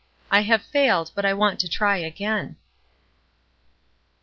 I have failed, but I want to try again."